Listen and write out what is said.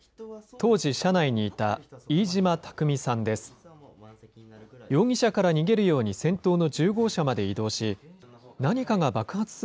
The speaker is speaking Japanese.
当時、車内にいた飯嶋琢己さんです。